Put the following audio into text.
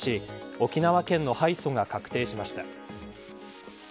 沖縄県の敗訴が確定しました。